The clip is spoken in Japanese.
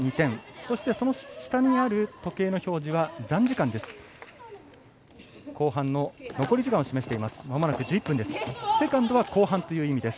そして、その下にある時計の表示は残時間です。